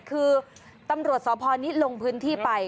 คือตำรวจสพนี้ลงพื้นที่ไป